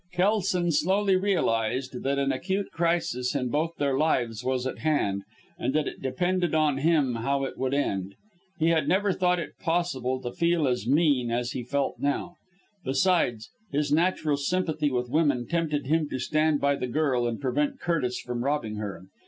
Kelson slowly realized that an acute crisis in both their lives was at hand, and that it depended on him how it would end. He had never thought it possible to feel as mean as he felt now. Besides, his natural sympathy with women tempted him to stand by the girl and prevent Curtis from robbing her.